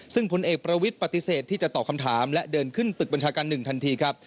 ซึ่งผลเอกประวิทย์ปฏิเสธที่จะตอบคำถามและเดินขึ้นตึกบัญชาการ๑ทันทีครับ